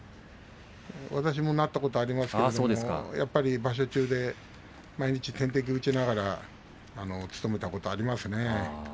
私もなったことありますけどやっぱり場所中で毎日点滴を打ちながら務めたことがありますね。